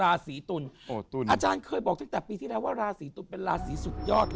อาจารย์เคยบอกตั้งแต่ปีที่แล้วว่าราศิตุลเป็นลาศิสุขยอด